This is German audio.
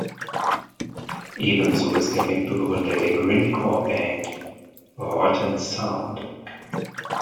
Ebenso ist er Mitbegründer der Grindcore-Band Rotten Sound.